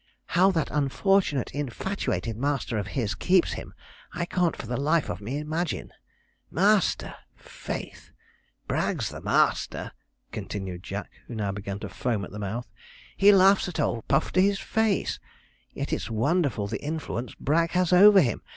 How that unfortunate, infatuated master of his keeps him, I can't for the life of me imagine. Master! faith, Bragg's the master,' continued Jack, who now began to foam at the mouth. 'He laughs at old Puff to his face; yet it's wonderful the influence Bragg has over him.